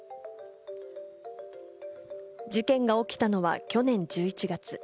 事件が起きたのは去年１１月。